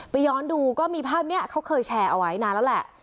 ไปย้อนดูเต็มภาพแภปเค้าเคยแชร์ไว้นานละแหละ